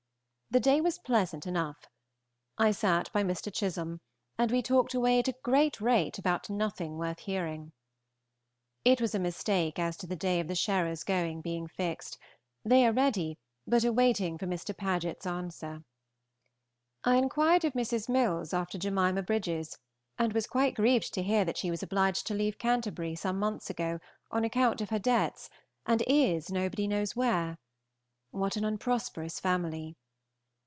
The day was pleasant enough. I sat by Mr. Chisholme, and we talked away at a great rate about nothing worth hearing. It was a mistake as to the day of the Sherers going being fixed; they are ready, but are waiting for Mr. Paget's answer. I inquired of Mrs. Milles after Jemima Brydges, and was quite grieved to hear that she was obliged to leave Canterbury some months ago on account of her debts, and is nobody knows where. What an unprosperous family!